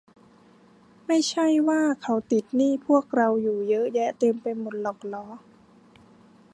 ไม่ใช่ว่าเขาติดหนี้พวกเราอยู่เยอะแยะเต็มไปหมดหรอกหรอ ?